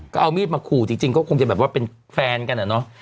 ก็เอามีดมาขู่จริงก็คงจะแบบว่าเป็นแฟนกันอะเนาะ